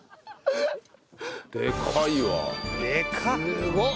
すごっ！